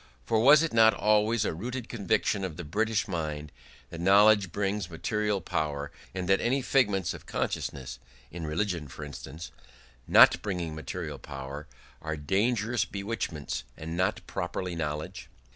For was it not always a rooted conviction of the British mind that knowledge brings material power, and that any figments of consciousness (in religion, for instance) not bringing material power are dangerous bewitchments, and not properly knowledge?